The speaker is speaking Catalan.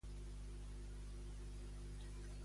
Com va ser adorada Io allà?